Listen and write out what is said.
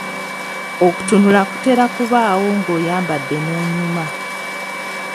Okutunula kutera okubaawo ng'oyambadde n'onyuma.